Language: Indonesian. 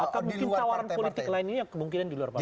akan mungkin tawaran politik lainnya kemungkinan di luar partai